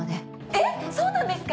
えっそうなんですか？